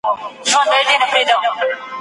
هغه د خلکو د حقونو دفاع وکړه.